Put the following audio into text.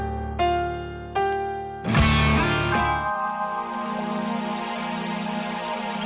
ya tapi di mana teman temanku sampai